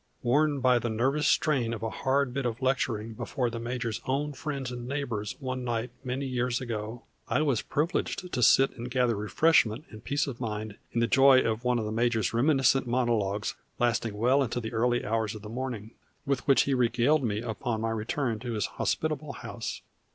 Worn by the nervous strain of a hard bit of lecturing before the major's own friends and neighbors one night many years ago, I was privileged to sit and gather refreshment and peace of mind in the joy of one of the major's reminiscent monologues lasting well into the early hours of the morning, with which he regaled me upon my return to his hospitable house.